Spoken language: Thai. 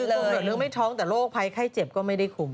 นี่คือคุ้มกำเนินเรื่องไม่ท้องแต่โรคภัยไข้เจ็บก็ไม่ได้คุ้ม